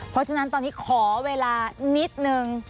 เพราะฉะนั้นตอนนี้ขอเวลานิดนึง